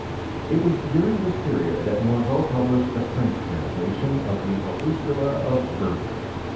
It was during this period that Morveau published a French translation of the Opuscula of Bergman.